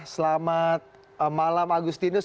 selamat malam agustinus